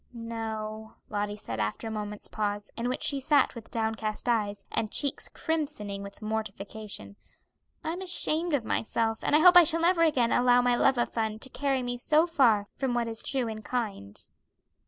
"No," Lottie said, after a moment's pause, in which she sat with downcast eyes, and cheeks crimsoning with mortification. "I'm ashamed of myself, and I hope I shall never again allow my love of fun to carry me so far from what is true and kind.